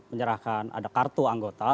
menyerahkan ada kartu anggota